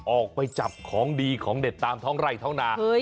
ออกไปจับของดีของเด็ดตามท้องไร่ท้องนา